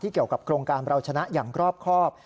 ที่เกี่ยวกับโครงการราวชนะอย่างกรอบ